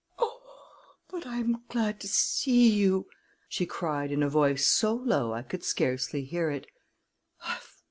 "Oh, but I'm glad to see you!" she cried in a voice so low I could scarcely hear it.